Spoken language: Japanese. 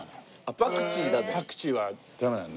パクチーはダメだね。